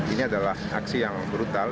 ini adalah aksi yang brutal